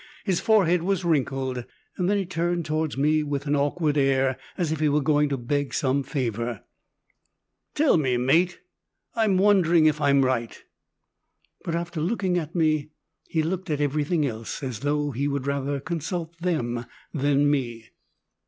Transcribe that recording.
His forehead was wrinkled. Then he turned towards me with an awkward air, as if he were going to beg some favor: "Tell me, mate, I'm wondering if I'm right." But after looking at me, he looked at everything else, as though he would rather consult them than me.